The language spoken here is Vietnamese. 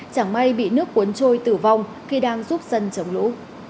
chẳng may bị nước cuốn trôi tử vong khi đang giúp dân chống lũ